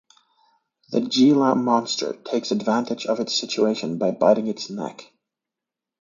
The Gila monster takes advantage of its situation by biting its neck.